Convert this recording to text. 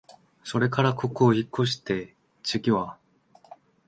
それからここをひっこして、つぎは、